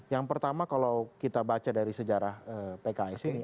yang pertama kalau kita baca dari sejarah pks ini